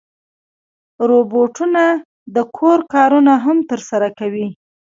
روبوټونه د کور کارونه هم ترسره کوي.